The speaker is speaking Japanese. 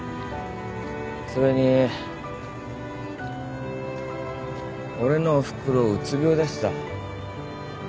それに俺のおふくろうつ病だしさ。